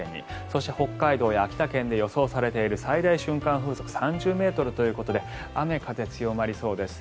そして、北海道や秋田県で予想されている最大瞬間風速が３０ｍということで雨風、強まりそうです。